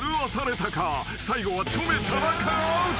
［最後はチョメ田中アウト］